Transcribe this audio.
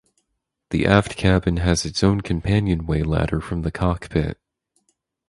The aft cabin has its own companionway ladder from the cockpit.